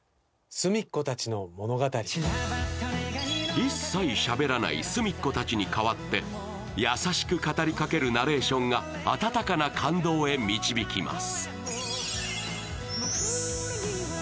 一切しゃべらないすみっコたちに代わって優しく語りかけるナレーションが温かな感動へ導きます。